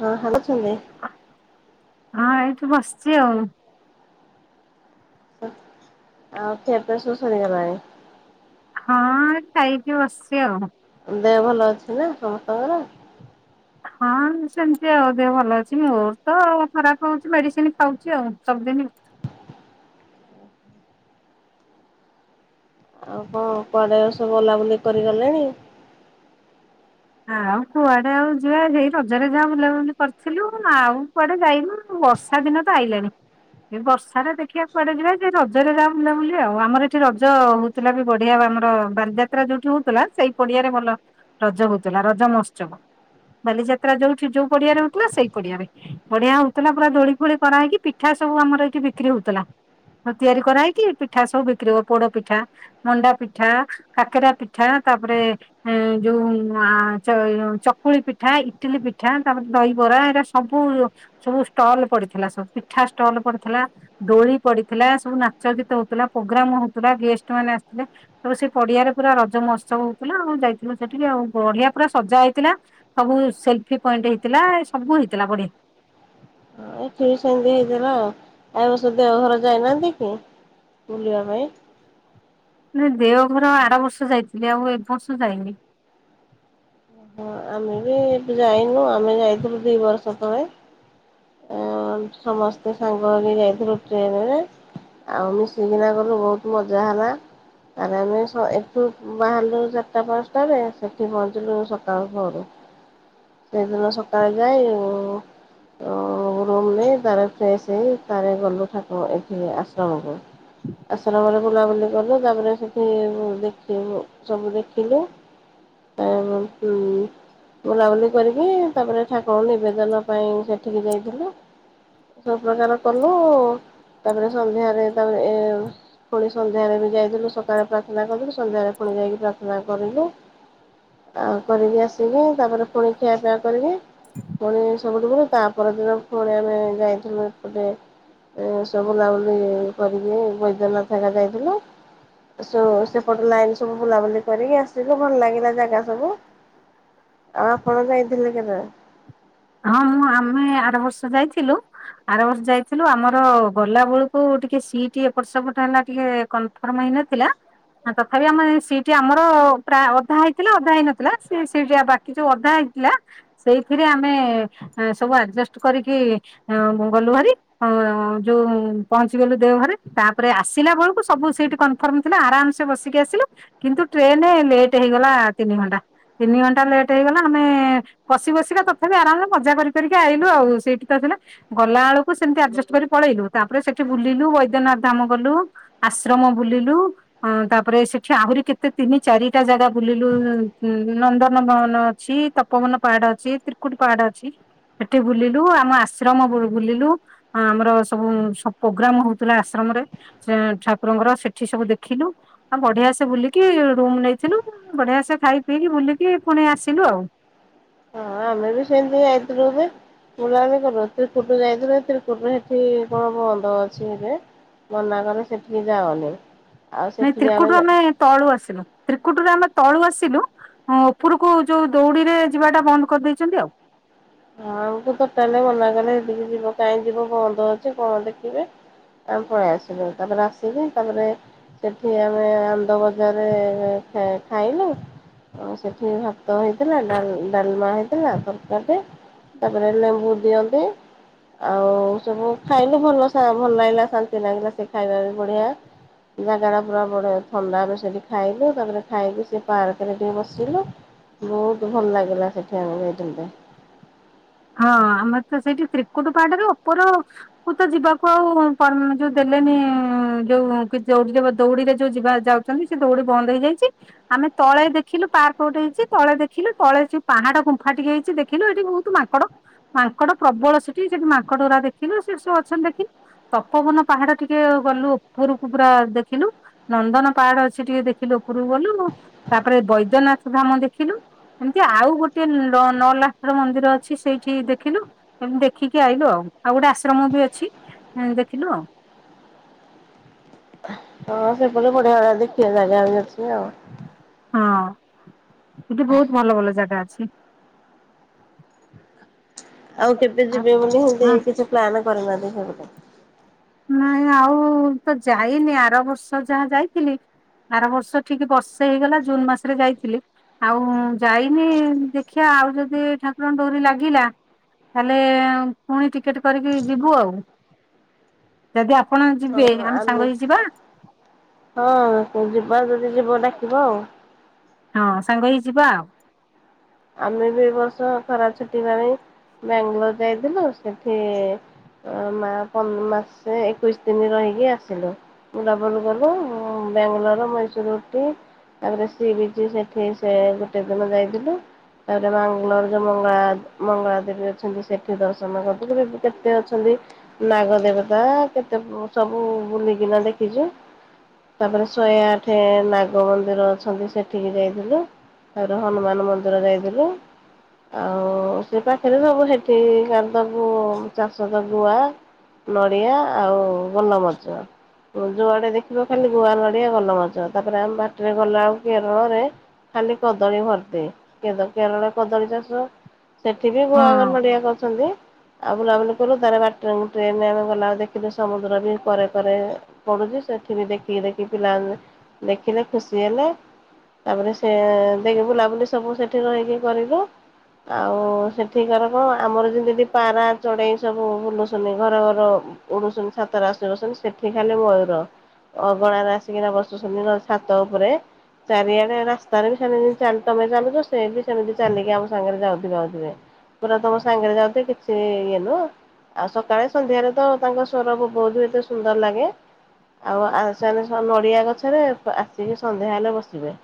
ହଁ ହାଲୋ ଛନ୍ଦି ହଁ ଏଇଠି ବସିଚି ଆଉ। ଆଉ ଖିଆପିଆ ସବୁ ସରିଗଲାଣି? ହଁ ଏଖାଇକି ବସିଚି ଆଉ। ଦେହ ଭଲ ଅଛିନା ସମସ୍ତଙ୍କର? ହଁ ସେମିତି ଆଉ ଦେହ ଭଲ ଅଛି ମୋରତ ଖରାପ୍ ହଉଚି ମେଡ଼ିସିନ୍ ଖାଉଚି ଆଉ ସବୁଦିନି। ଆଉ କଣ କୁଆଡ଼େ ସବୁ ବୁଲାବୁଲି କରିକି ଗଲେଣି? ଆଉ କୁଆଡ଼େ ଆଉ ଯିବା ହେଇ ରଜରେ ଯାହା ବୁଲାବୁଲି କରିଥିଲୁ ଆଉ କୁଆଡ଼େ ଯାଇନୁ ବ ହେଦିନତ ଆଇଲାଣି। ଏ ବର୍ଷାରେ ଦେଖିଆ କୁଆଡ଼େ ଯିବା ସେଇ ରଜରେ ଯାହା ବୁଲାବୁଲି ଆଉ ଆମର ଏଠି ରଜ ଥିଲାବି ବଢିଆ ଆମର ବାଲିଯାତ୍ରା ଯୋଉଠି ହଉଥିଲା ସେଇ ପଡ଼ିଆରେ ଭଲ ରଜ ହଉ ଥିଲା ରଜ ମହୋତ୍ସବ ବାଲିଯାତ୍ରା ଯୋଉଠି ଯୋଉ ପଡ଼ିଆରେ ହଉଥିଲା ସେଇ ପଡ଼ିଆରେ। ବଢ଼ିଆ ହଉଥିଲା ପୁରା ଦୋଳି ଫୋଳି କରାହେଇକି ପିଠା ସବୁ ଆମର ଏଠି ବିକ୍ରି ହଉଥିଲା। ହ ତିଆରି କରାଇକି ପିଠା ସବୁ ବିକ୍ରି ହବ ପୋଡ଼ ପିଠା ମଣ୍ଡା ପିଠା କାକେରା ପିଠା ତାପରେ ଉ ଯୋଉ ଆ ଚ ଚକୁଳି ପିଠା ଇଟିଲି ପିଠା ତାପରେ ଦହିବରା ଏରା ସବୁ ସବୁ ଷ୍ଟଲ୍ ପଡ଼ିଥିଲା ସବୁ ପିଠା ଷ୍ଟଲ୍ ପଡ଼ିଥିଲା। ଦୋଳି ପଡ଼ିଥିଲା ସବୁ ନାଚ ଗୀତ ହଉଥିଲା ପ୍ରୋଗ୍ରାମ ହଉଥିଲା ଗେଷ୍ଟ ମାନେ ଆସିଥିଲେ। ତପରେ ସେପଡ଼ିଆରେ ପୁରା ରଜ ମହୋତ୍ସବ ହଉଥିଲା ଆଉ ଯାଇଥିଲୁ ସେଠିକି ଆଉ ବଢ଼ିଆ ପୁରା ସଜା ହେଇଥିଲା ସବୁ ସେଲଫି ପଏଣ୍ଟ ହେଇଥିଲା ସବୁ ହେଇଥିଲା ବଢିଆ। ହଁ ଏଠିବି ସେମିତି ହେଇଲା ଆଉ ଆଉ ଏବର୍ଷ ଦେଓଘର ଯାଇନାହାନ୍ତିକି ବୁଲିବା ପାଇଁ? ନା ଦେଓଘର ଆରବର୍ଷ ଯାଇଥିଲି ଆଉ ଏବର୍ଷ ଯାଇନି। ଓହୋ। ଆମେ ବି ଏବେ ଯାଇନୁ ଆମେ ଯାଇଥିବୁ ଦି ବର୍ଷ ତଳେ। ଆ ସମସ୍ତେ ସାଙ୍ଗ ହେଇକି ଯାଇଥିଲୁ ଟ୍ରେନରେ। ଆଉ ମିଶିକିନା ଗଲୁ ବହୁତ ମଜା ହେଲା। ଆରେ ଆମେ ସ ଏଠୁ ବାହାରିଲୁ ଚାରିଟା ପାଞ୍ଚଟାରେ ସେଠି ପହଞ୍ଚିଲୁ ସକାଳୁ ଭୋରୁ ସେଇଦିନ ସକାଳେ ଯାଇ ଉଁ ଉଁ ରୁମ୍ ନେଇେ ତାରେ ଫ୍ରେଶ ହେଇ ତାରେ ଗଲୁ ଠାକୁର ଏଠି ଆଶ୍ରମକୁ। ଆଶ୍ରମରେ ବୁଲାବୁଲି କଲୁ ତାପରେ ସେଠି ଦେଖ ଉ ସବୁ ଦେଖିଲୁ। [unintelligible] ବୁଲାବୁଲି କରିକି ତାପରେ ଠାକୁରଙ୍କୁ ନିବେଦନ ପାଇଁ ସେଠିକି ଯାଇଥିଲୁ। ସବୁ ପ୍ରକାର କଲୁ ତାପରେ ସନ୍ଧ୍ୟାରେ ତାପରେ ଏ ପୁଣି ସନ୍ଧ୍ୟାରେ ବି ଯାଇଥିଲୁ ସକାଳେ ପ୍ରାର୍ଥନା କରିଥିଲୁ ସନ୍ଧ୍ୟ୲ଳେ ପୁଣି ଯାଇକି ପ୍ରାର୍ଥନା କଲୁ। ଆଉ କରିକି ଆସିକି ତାପରେ ପୁଣି ଖିଆ ପିଆ କରିକି ପୁଣି [unintelligible] ପୁର ତାପର ଦିନ ପୁଣି ଆମେ ଯାଇଥିଲୁ ଏପଟେ ଏମିତି ସବୁ ବୁଲାବୁଲି କରିକି ବୈଦ୍ୟନାଥ ହେରିକା ଯାଇଥିଲୁ। ଯୋଉ ସେପଟ ଲାଇନ ସବୁ ବୁଲାବୁଲି କରିକି ଆସିଲୁ ଭଲ ଲାଗିଲା ଜାଗା ସବୁ। ଆଉ, ଆପଣ ଯାଇଥିଲେ କେବେ? ହଁ, ମୁଁ ଆମେ ଆର ବର୍ଷ ଯାଇଥିଲୁ! ଆର ବର୍ଷ ଯାଇଥିଲୁ ଆମର ଗଲା ବେଳକୁ ଟିକେ ସିଟି ଏପଟ ସେପଟ ହେଲା ଟିକେ କନ ଫର୍ମ ହେଇନଥିଲା। ଫାଙ୍କା ତଥାପି ଆମ ସିଟି ଆମର ପ୍ରାୟ ଅଧା ହେଇଥିଲା ଅଧା ହେଇନଥିଲା ସେ ସିଟ ବା କି ଯଉ ଅଧା ହେଇଥିଲା ସେଇଥିରେ ଆମେ ସବୁ ଆଡଜଷ୍ଟ କରିକି ହଁ ମୁଁ ଗଲୁଭାରି। ହଁ, ଯୋଉ ପହଞ୍ଚିଗଲୁ ଦେଓଭାରି ତାପରେ ଆସିଲା ବେଳକୁ ସବୁ ସିଟ୍ କନ ଫର୍ମ ଥିଲା ଆରାମସେ ବସିକି ଆସିଲୁ କିନ୍ତୁ ଟ୍ରେନ ଲେଟ୍ ହେଇଗଲା ତିନି ଘଣ୍ଟା। ତିନି ଘଣ୍ଟା ଲେଟ୍ ହେଇଗଲା ଆମେ ବସି ବସିକା ତଥାପି ଆରାମ ରେ ମଜା କରି କରିକି ଆଇଲୁ ଆଉ ସିଟ୍ ତ ଥିଲା! ଗଲା ବେଳକୁ ସେମିତି ଆଡଜଷ୍ଟ କରି ପଳେଇଲୁ ତାପରେ ସେଠି ବୁଲିଲୁ ବୈଦ୍ୟନାଥ ଧାମ ଗଲୁ। ଆଶ୍ରମ ବୁଲିଲୁ! ହୁଁ, ତାପରେ ସେଠି ଆହୁରି କେତେ ତିନି ଚାରିଟା ଜାଗା ବୁଲିଲୁ ନନ୍ଦନ ମହନ ଅଛି। ତପବନ ପାହାଡ ଅଛି ତ୍ରିକୁଟି ପାହାଡ ଅଛି ସେଠି ବୁଲିଲୁ ଆମ ଆଶ୍ରମ ବୁଲିଲୁ। ହଁ ଆମର ସବୁ ସବୁ ସ ପ୍ରୋଗ୍ରାମ ହଉଥିଲା ଆଶ୍ରମରେ। ସେ ଠାକୁରଙ୍କର ସେଠି ସବୁ ଦେଖିଲୁ! ଆଉ ବଢିଆ ସେ ବୁଲିକି ରୁମ ନେଇଥିଲୁ ବଢିଆ ସେ ଖାଇ ପିଇକି ବୁଲିକି ପୁଣି ଆସିଲୁ ଆଉ! ହଁ, ଆମେ ବି ସେମିତି ଯାଇଥିଲୁ ଏବେ? ବୁଲା ବୁଲି କଲୁ ତ୍ରିକୁଟ ଯାଇଥିଲୁ ଯେ ସେ ତ୍ରୀକୁଟିରେ ହେଟି କଣ ବନ୍ଦ ଅଛି ଏବେ! ମନା କଲେ ସେଠିକି ଯାଅନି! ଆଉ ନାଇଁ ସେଠିକି ତ୍ରିକୁଟୁ ଆମେ ତଳୁ ଆସିଲୁ ତ୍ରକୁଟୁରୁ ଆମେ ତଳୁ ଆସିଲୁ! ହଁ, ଉପରକୁ ଯୋଉ ଦୌଡ଼ିରେ ଯିବାଟା ବନ୍ଦ କରିଦେଇଛନ୍ତି ଆଉ! ହଁ, ଆମକୁ ଟୋଟାଲ ମନା କଲେ ସେଠିକି ଯିବ କାଇଁ ଯିବ ବନ୍ଦ ଅଛି କଣ ଦେଖିବେ! ଆମେ ପଳେଇ ଆସିଲୁ ତାପରେ ଆସିଲି ତାପରେ ସେଠି ଆମେ ଆନନ୍ଦ ବଜାରରେ ଖା ଖାଇନୁ। ଆଉ ସେଠି ଭାତ ହେଇଥିଲା, ଡାଲ ଡାଲମା ହେଇଥିଲା, ତରକାରୀ। ତାପରେ ଲେମ୍ବୁ ଦିଅନ୍ତି! ଆଉ ସବୁ ଖାଇଲୁ ଭଲ ଶା ଭଲ ଲାଗିଲା ଶାନ୍ତି ଲାଗିଲା ସେ ଖାଇବା ବି ବଢ଼ିଆ। ସେ ଜାଗା ଟା ପୁରା ବଢିଆ ଥଣ୍ଡାରେ ସେଟି ଖାଇଲୁ ତା ପରେ ସେଠି ଖାଇଲୁ ତାପରେ ଖାଇକି ସେ ପାର୍କରେ ଟିକେ ବସିଲୁ! ବହୁତ ଭଲ ଲାଗିଲା ସେଠି ଆମକୁ [inaudible] ହଁ ଆମର ତ ସେଇଠି ତ୍ରିକୁଟୁ ପାହାଟରୁ ଉପୁରୁ କୁ ତ ଯିବାକୁ ଆଉ ପର୍ ଯୋଉ ଦେଲେନି ଯୋଉ କି ଯୋଉ ଦୌ ଦୌଡିରେ ଯୋଉ ଯିବା ଯାଉ ଚନ୍ତି ସେ ଦୌଡି ବନ୍ଦ ହେଇଯାଇଛି! ଆମେ ତଳେ ଦେଖିଲୁ ପାର୍କ ଗୋଟେ ହେଇଛି ତଳେ ଦେଖିଲୁ ତଳେ ଯଉ ପାହାଡ ଗୁମ୍ଫା ଟିକେ ହେଇଛି ଦେଖିଲୁ ଏଠି ବହୁତ ମା ଙ୍କଡ଼ ମାଙ୍କଡ ପ୍ରବଳ ସେଠି ସେଠି ମାଙ୍କଡ ଗୁରା ଦେଖିଲୁ ସେଠି ସବୁ ଅଛନ୍ତି ଦେଖି ତପୋବନ ପାହାଡ ଟିକେ ଗଲୁ ଉପରକୁ ପୁରା ଦେଖିଲୁ! ନନ୍ଦନ ପାହାଡ ଅଛି ଟିକେ ଦେଖିଲୁ ଉପରକୁ ଗଲୁ ତାପରେ ବୈଦ୍ୟନାଥ ଧାମ ଦେଖିଲୁ! ଏମିତି ଆଉ ଗୋଟେ ନ ନଲାଖର ମନ୍ଦିର ଅ ଅଛି ସେଇଠି ଦେଖିଲୁ ଏମିତି ଦେଖିକି ଆଇଲୁ ଆଉ ଆଉ ଗୋଟେ ଆଶ୍ରମ ବି ଅଛି ଅ ଦେଖିଲୁ ଆଉ! ହଁ ସେପଟେ ବଢିଆ ଦେଖିଆ ଜାଗା ବି ଅଛି ଆଉ! ହଁ ହେଠି ବହୁତ ଭଲ ଭଲ ଜାଗା ଅଛି! ଆଉ କେବେ ଯିବେ ବୋଲି ସେିମିତି ହଁ କିଛି ପ୍ଲାନ କରିନାହାନ୍ତି ଅବିକା! ନାଇଁ ଆଉ ତ ଯାଇନି ଆର ବର୍ଷ ଯାହା ଯାଇଥିଲି! ଆର ବର୍ଷ ଠିକ୍ ବର୍ଷେ ହେଇଗଲା ଜୁନ ମାସରେ ଯାଇଥିଲି! ଆଉ ଯାଇନି ଦେଖିଆ ଆଉ ଯଦି ଠାକୁରଙ୍କ ଡୋରି ଲାଗିଲା! ତାହେଲେ ପୁଣି ଟିକେଟ୍ କରିକି ଯିବୁ ଆଉ। ଯଦି ଆପଣ ଯିବେ ଆମେ ସାଙ୍ଗ ହେଇ ଯିବା? ହଁ ଯିବା ଯଦି ଯିବ ଡାକିବ ଆଉ। ହଁ ସାଙ୍ଗ ହେଇ ଯିବା ଆଉ। ଆମେ ବି ଏବର୍ଷ ଖରା ଛୁଟି ପାଇଁ ବ୍ୟାଂଲୋର ଯାଇଥିଲୁ ସେଠି ଅ ମା ପ ମାସେ ଏକୋଇଶି ଦିନି ରହିକି ଆସିଲୁ। ଡବଲ ଗଲୁ ବାଙ୍ଗାଲୋର ମଇସୁରୁ ଉଟି ତାପରେ ସି ବିଚ ସେଠି ସେ ଗୋଟେ ଦିନ ଯାଇଥିଲୁ। ତାପରେ ମାଙ୍ଗଲୋର ଯୋଉ ମଙ୍ଗଳା ମଙ୍ଗଳା ଦେବୀ ଅଛନ୍ତି ସେଠି ଦର୍ଶନ କଲୁ ଏମିତି କେତେ ଅଛନ୍ତି। ନାଗ ଦେବତା କେତେ ପ ସବୁ ବୁଲିକିନା ଦେଖିଛୁ। ତାପରେ ଶୋଏ ଆଠ ନାଗ ମନ୍ଦିର ଅଛନ୍ତି ସେଠିକି ଯାଇଥିଲୁ। ତାପରେ ହନୁମାନ ମନ୍ଦିର ଯାଇଥିଲୁ। ଆଉ ସେ ପାଖରେ ସବୁ ହେଠି ଆ ସବୁ ଚାଷ ତ ଗୁଆ ନଡ଼ିଆ ଆଉ ଗୋଲମରିଚ। ଯୁଆଡେ ଦେଖିବ ଖାଲି ଗୁଆ ନଡ଼ିଆ ଗୋଲମରିଚ ତାପରେ ଆମେ ବାଟରେ ଗଲାବେକୁ କେରଳରେ ଖାଲି କଦଳୀ ଭର୍ତୀ କିନ୍ତ କେରଳର କଦଳୀ ଚାଷ। ସେଠି ବି ଗୁଆ କ ହଁ ନଡିଆ କରୁଛନ୍ତି। ଆଉ ବୁଲାବୁଲି କଲୁ ତାପରେ ବାଟରେ ଟ୍ରେନରେ ଆମେ ଗଲାବେକୁ ଦେଖିଲୁ ସମୁଦ୍ର ବି କରେ କରେ ପଢୁଛି ସେଠି ବି ଦେଖିକି ଦେଖି ପିଲାମାନେ ଦେଖିଲେ ଖୁସି ହେଲେ। ତାପରେ ସେ ଦେଇକି ବୁଲାବୁଲି ସବୁ ସେଠି ରହିକି କରିବୁ। ଆଉ ସେଠିକାର କଣ ଆମର ଯେମିତି ପାରା ଚଢ଼େଇ ସବୁ ବୁଲୁଛନ୍ତି ଘର ଘର ଉଡୁସନ୍ ଛାତରେ ଆସିବସୁସନ୍ ସେଠି ଖାଲି ମୟୂର। ଅଗଣାରେ ଆସିକିନା ବଶୁଛନ୍ତି ନହେଲେ ଛାତ ଉପରେ। ଚାରିଆଡେ ରାସ୍ତାରେ ବି ସେମ୍ ଚାଲ ତମେ ଚାଲୁଚ ସେ ସେ ବି ସେମିତି ଚାଲିକି ଆମ ସାଙ୍ଗରେ ଯାଉଥିବେ ଆଉଥିବେ। ପୁରା ତମ ସାଙ୍ଗରେ ଯାଉଥିଵେ କିଛି ଇଏ ନୁହଁ। ଆଉ ସକାଳେ ସନ୍ଧ୍ୟାରେ ତ ତାଙ୍କ ସ୍ୱର ବହୁତ ଏତେ ସୁନ୍ଦର ଲାଗେ। ଆଉ ଆ ସେମାନେ ସବ ନଡିଆ ଗଛରେ ପ ଆସିକି ସନ୍ଧ୍ୟା ହେଲେ ବସିବେ।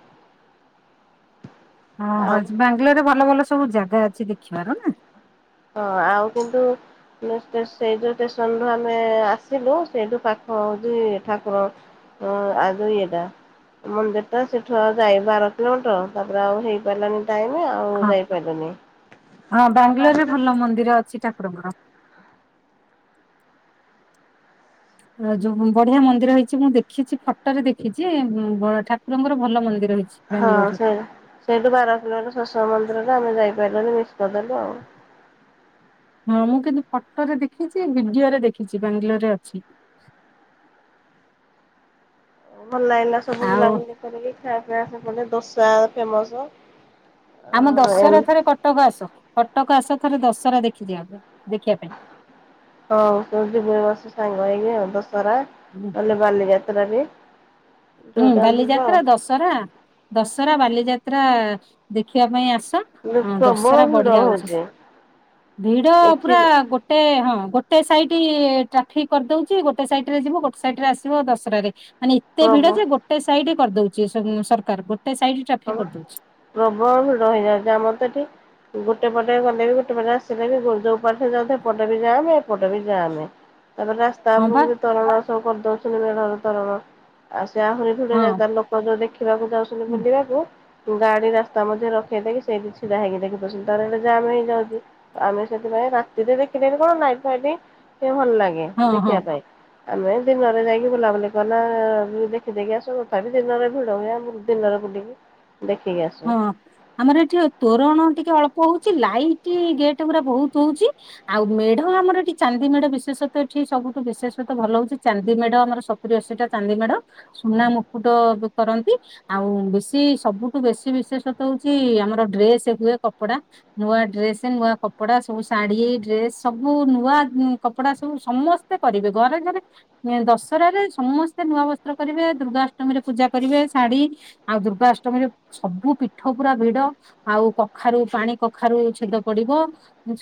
ହଁ ଆଉ ହଚ ବାଙ୍ଗାଲୋରରେ ଭଲ ଭଲ ସବୁ ଜାଗା ଅଛି ଦେଖିବାର ନା? ହଁ ଆଉ କୁନଟୁ ନେଷ୍ଟ ଟେସ ସେଇ ଯୋଉ ଷ୍ଟେସନ ରୁ ଆମେ ଆସିଲୁ, ସେଇଠୁ ପାଖ ହୋଉଚି ଠାକୁର ହଁ, ଆଦ ଇଏଟା ମନ୍ଦିରଟା ସେଠୁ ଆଉ ଯାଇ ବାର କିଲୋମିଟର, ତାପରେ ଆଉ ହେଇପାରିଲାନି ଯାଇନି ଆଉ ହଁ। ଯାଇପାଇଲୁନି [unintelligible] ଲ ମନ୍ଦିର ସେ ଠାକୁରଙ୍କର ଆ ଯୋଉ ବଢିଆ ମନ୍ଦିର ହେଇଚି ମୁଁ ଦେଖିଚି ଫଟ ରେ ଦେଖିଚି ବଡ଼ ଠାକୁରଙ୍କର ଭଲ ମନ୍ଦିର ହେଇଛି। ହଁ ବାଙ୍ଗାଲୋରରେ ସେଇ ସେଇଠୁ ବାର କିଲୋମିଟର ଶେଷ ମନ୍ଦିରେ ଆମେ ଯାଇପାରିଲୁନି, ମିସ୍ କରିଦେଲୁ ଆଉ। ହଁ ମୁଁ କିନ୍ତୁ ଫଟୋରେ ଦେଖିଚି ବିଡିଓରେ ଦେଖିଚି ବାଙ୍ଗଲୋରରେ ଅଛି। ଭଲ ଲାଗିଲା ସବୁ ଆଉ ବୁଲାବୁଲି କରିକି ଖିଆ ପିଆ ସେପଟେ ଦୋସା ଫେମସ। ଆମ ଦଶହରା ଥରେ କଟକ ଆସ, କଟକ ଆସ ଥରେ ଦଶହରା ଦେଖିଯିବାକୁ, ଦେଖିଆ ହଁ ସେଇଠି ବେମସ ସାଙ୍ଗ ହେଇକି ଦଶହରା [unintelligible] ଗଲେ ବାଲିଯାତ୍ରା ବି ହୁଁ ଯୋଉଟା ହେଲେ ଯିବା ଆଉ। ବାଲିଯାତ୍ରା ଦଶରା, ଦଶରା ବାଲିଯାତ୍ରା ଦେଖିବା ପାଇଁ ଆସ। ହୁଁ ପ୍ରବଳ ଦଶହରା ଭିଡ ବଢିଆ ହୋଉଚି। ହଉଛି ଭିଡ ଏଠି ପୁରା ଗୋ ଟେ, ହଁ ଗୋଟେ ସାଇଡ ଟ୍ରାଫିକ କରିଦୋଉଚି ଗୋଟେ ସାଇଡରେ ଯିବ ଗୋଟେ ସାଇଡରେ ଆସିବ ଦଶରାରେ ମାନେ ଏତେ ଭିଡ ପ୍ରବ ଯେ, ଗୋଟେ ସାଇଟ କରିଦୋଉଚି ସନ ସରକାର, ଗୋଟେ ସାଇଟ ହବ ଟ୍ରାଫିକ କରିଦୋଉଛି। ପ୍ରବଳ ଭିଡ ହେଇଯାଉଚି ଆମର ଏଠି ଗୋଟେ ପଟେ ଗଲେ ବି, ଗୋଟେ ପଟେ ଆସିଲେ ବି ଯୋଉ ଯୋଉ ପାଖ ଯାଉଥା ଏପଟେ ବି ଯାଆମେ ଏପଟେ ବି ଯାଆମେ। ତାପରେ ରାସ୍ତା ହଁ ବା ଉପକୁ ବି ତୋରଣ ସବୁ କରିଦଉଛନ୍ତି ମେଢର ତୋରଣ ଆଉ ସେ ଆହୁରି ଫା ଜା ହଁ ଲୋ ତମକୁ ଦେଖିବାକୁ ଯାଉଛନ୍ତିୁ ବୁଲିବା ତୋ ଗାଡି ରାସ୍ତା ମଝେ ରଖେଇ ଦେଇକି ସେଇଠି ଛିଡା ହେଇକି ଦେଖି [unintelligible] ତାରଟ ଜାମ୍ ହେଇଯାଉଚି ଆମେ ସେଥିପାଇଁ ରାତିରେ ଦେଖି କଣ ନାଇଟ ଫାଇଟି ଉଁ ଭଲ ଲାଗେ ହଁ ହଁ। ଦେଖିବା ପାଇଁ। ଆମେ ଦିନରେ ଯାଇକି ବୁଲାବୁଲି କନା ଦେଖିଦେଇକି ଆସୁ ଥାପି ଦିନରେ ଭିଡ଼ ହୁଏ ଆମ ଦିନରେ ବୁଲିକି ଦେଖିକି ଆସୁ। ହଁ ଆମର ଏଠି ତୋରଣ ଟିକେ ଅଳ୍ପ ହୋଉଚି ଲାଇଟ୍ ଗେଟ୍ ଗୁରା ବହୁତ ହୋଉଚି ଆଉ ମେଢ ଆମର ଏଠି ଚାନ୍ଦି ମେଢ ବିେଷତଃ ଏଠି ସବୁଠୁ ବିଶେଷତଃ ଭଲ ହୋଉଛି ଚାନ୍ଦି ମେଢ ଆମର ସ ରେସିଟା ଚାନ୍ଦି ମେଡ଼ ସୁନା ମୁକୁଟ ବି କରନ୍ତି ଆଉ ବେଶୀ ସବୁଠୁ ବେଶ ବିଶେଷତ ହୋଉଚି ଆମର ଡ୍ରେସ ହୁଏ କପଡା ନୂଆ ଡ୍ରେସ ନୂଆ କପଡା ସବୁ ଶାଢୀ ଡ୍ରେସ ସବୁ ନୂଆ ଉଁ କପଡା ସବୁ ସମସ୍ ତେ କରିବେ ଗରେ ଗରେ ନାଇଁ ଦଶହରାରେ ସମସ୍ତେ ନୂଆ ବସ୍ତ୍ର କରିବେ ଦୁର୍ଗାଷ୍ଟମୀ ରେ ପୂଜା କରିବେ ଶାଢ଼ୀ ଆଉ ଦୁର୍ଗା ଅଷ୍ଟମୀରେ ସବୁ ପିଠ ପୁରା ଭିଡ ଆଉ କଖାରୁ ପାଣି କଖାରୁ ଛେଦ ପଡିବ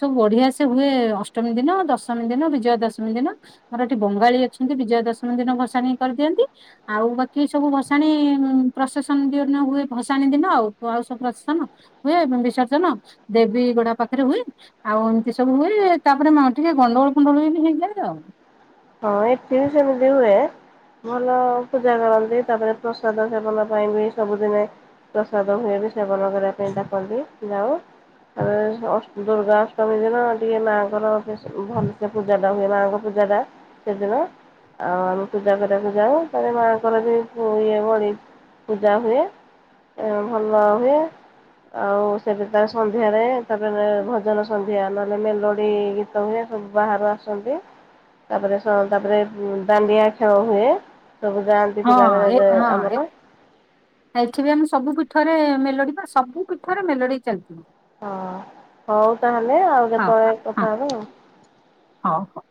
ସବୁ ବଢିଆ ସେ ହୁଏ ଅଷ୍ଟମୀ ଦିନ ଦଶମୀ ଦିନ ବିଜୟା ଦଶମୀ ଦିନ ମୋର ଏଠି ବଙ୍ଗାଳୀ ଅଛନ୍ତି ବିଜୟା ଦଶମୀ ଦିନ ଭଷାଣିିକ କରିଦିଅନ୍ତି ଆଉ ବାକି ସବୁ ଭସାଣି ଉମ୍‌ ପ୍ରଶେସନ ବି ହେଦିନ ହୁଏ ଭସାଣି ଦିନ ଆଉପ ଆଉ ସବୁ ପ୍ରଶନ ହୁଏ ଏବଂ ବିସର୍ଜନ ଦେବୀ ଗୋଡା ପାଖରେ ହୁଏ ଆଉ ଏମିତି ସବୁ ହୁଏ ତାପରେ ମା ଟିକେ ଗଣ୍ଡଗୋଳ ଫୁଣ୍ଡଳ ବି ହେଇଯାଏ ଆଉ। ହଁ ଏ [unintelligible] ହୁଏ। ଭଲ ପୂଜା କରନ୍ତି ତାପରେ ପ୍ରସାଦ ସେବନ ପାଇଁ ବି ସବୁଦିନେ ପ୍ରସାଦ ହୁଏ ବି ସେବନ କରିବା ପାଇଁ ଡାକନ୍ତି ନାଏ ଆ ଅସ ଦୁର୍ଗା ଅଷ୍ଟମୀ ଦିନ ଟିକେ ମା ଙ୍କର ପେସ ଭଲସେ ପୂଜାଟା ହୁଏ ମାଙ୍କ ପୂଜାଟା। ସେଦିନ ଆଉ ଆମେ ପୂଜା କରିଆକୁ ଯାଉ ତାପରେ ମାଆଙ୍କର ଯେ ଇଏ ବଳି। ପୂଜା ହୁଏ ଏ ଭଲ ହୁଏ। ଆଉ ସେ ଯୋଉ ତା ସନ୍ଧ୍ୟାରେ ତାପରେ ଭଜନ ସନ୍ଧ୍ୟା ନହେଲେ ମେଲୋଡି ଗୀତ। [unintelligible] ସବୁ ବାହାରୁ ଆସନ୍ତି। ତାପରେ ସ ତାପରେ ଉଁ ଦାଣ୍ଡିଆ ଖେଳ ହୁଏ ସବୁ ଯାଆନ୍ତି ହଁ ପିଲାମାନେ ଏ ଯେ ହଁ ଆମର। ଏଠି ବି ଆମେ ସବୁ ପୀଠରେ ମେଲୋଡି ବା ସବୁ ପୀଠରେ ମେଲଡି ଚାଲିଥିବ। ହଁ ହଉ ତାହେଲେ ଆଉ କେତବଳେ କଥା ହବା ଆଉ। ହଁ ହଁ।